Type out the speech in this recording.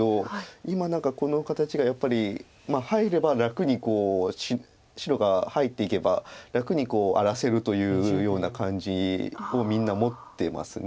今何かこの形がやっぱり入れば楽に白が入っていけば楽に荒らせるというような感じをみんな持ってます。